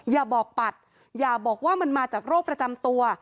อย่าบอกปัดอย่าบอกว่ามันมาจากโรคประจำตัว